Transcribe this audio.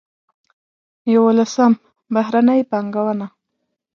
یولسم: بهرنۍ پانګونه.